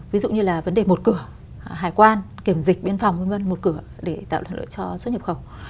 ví dụ như là vấn đề một cửa hải quan kiểm dịch biên phòng v v một cửa để tạo thuận lợi cho xuất nhập khẩu